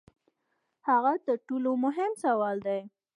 هغه تر ټولو مهم سوال دی.